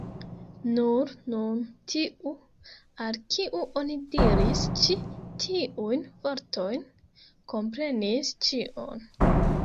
Nur nun tiu, al kiu oni diris ĉi tiujn vortojn, komprenis ĉion.